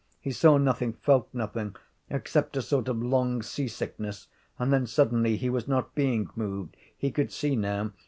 He saw nothing, felt nothing, except a sort of long sea sickness, and then suddenly he was not being moved. He could see now.